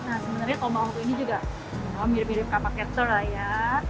nah sebenarnya tomahawk ini juga mirip mirip kapaknya thor lah ya